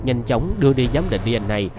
nhanh chóng đưa đi giám định dna